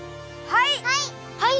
はい！